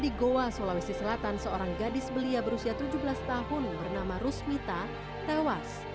di goa sulawesi selatan seorang gadis belia berusia tujuh belas tahun bernama rusmita tewas